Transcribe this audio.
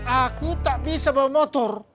aku tak bisa bawa motor